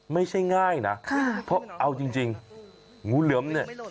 ไม่ใช่ง่ายนะเพราะเอาจริงงูเหลือมเนี่ย